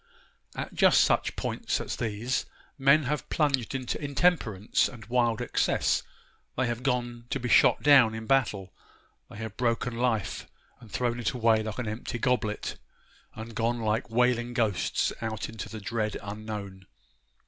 At just such points as these men have plunged into intemperance and wild excess; they have gone to be shot down in battle; they have broken life, and thrown it away like an empty goblet; and gone like wailing ghosts out into the dread unknown.